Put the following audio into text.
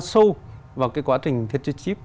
sâu vào quá trình thiết kế chip